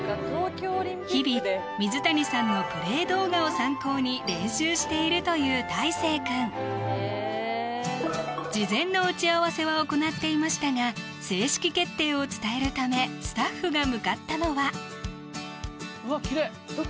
日々水谷さんのプレー動画を参考に練習しているというたいせい君事前の打ち合わせは行っていましたが正式決定を伝えるためスタッフが向かったのはうわっきれい！